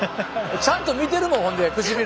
ちゃんと見てるもんほんで唇。